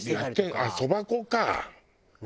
あっそば粉か。